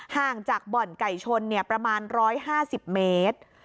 ห่างจากบ่อนไก่ชนประมาณ๑๕๐เมตร